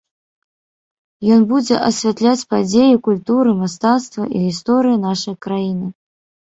Ён будзе асвятляць падзеі культуры, мастацтва і гісторыі нашай краіны.